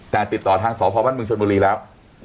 แต่ติดต่อทางสพบ้านเมืองชนบุรีแล้ว